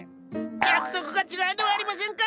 約束が違うではありませんか！